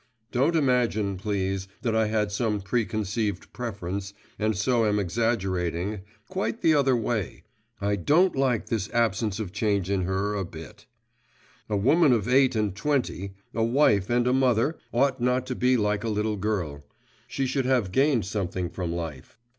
Don't imagine, please, that I had some preconceived preference, and so am exaggerating; quite the other way; I don't like this absence of change in her a bit. A woman of eight and twenty, a wife and a mother, ought not to be like a little girl; she should have gained something from life.